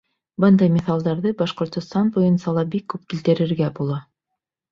Бындай миҫалдарҙы Башҡортостан буйынса ла бик күп килтерергә була.